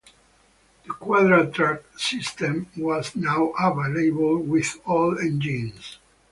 The Quadra-Trac system was now available with all engines.